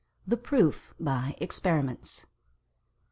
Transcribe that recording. _ The PROOF by Experiments.